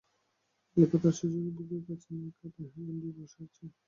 দিপা তার শিশুকে বুকের কাছে নিয়ে খাটে হেলান দিয়ে বসে আছে।